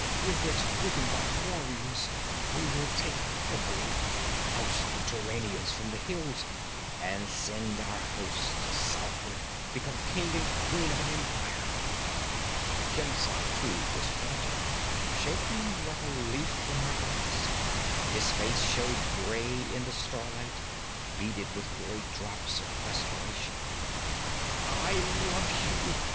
With it we can buy warriors. We will take Khorbhul, oust the Turanians from the hills, and send our hosts southward; become king and queen of an empire!' Khemsa too was panting, shaking like a leaf in her grasp; his face showed gray in the starlight, beaded with great drops of perspiration. 'I love you!'